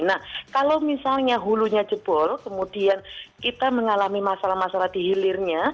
nah kalau misalnya hulunya jebol kemudian kita mengalami masalah masalah di hilirnya